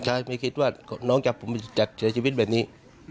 ใช่ไม่คิดว่าน้องจะผมจะเสียชีวิตแบบนี้